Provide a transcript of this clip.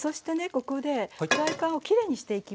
ここでフライパンをきれいにしていきます。